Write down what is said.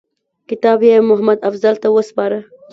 کتاب یې محمدافضل ته وسپاره.